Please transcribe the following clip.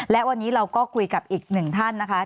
และวันนี้เราก็คุยกับอีกหนึ่งท่านนะคะ